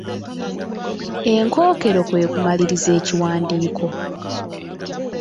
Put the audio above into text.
Enkookero kwe kumaliriza ekiwandiiko.